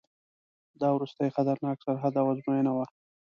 دا وروستی خطرناک سرحد او آزموینه وه.